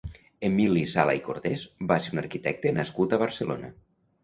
Emili Sala i Cortés va ser un arquitecte nascut a Barcelona.